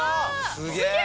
すげえ！